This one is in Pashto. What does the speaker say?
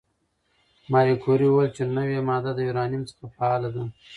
ماري کوري وویل چې نوې ماده د یورانیم څخه فعاله ده.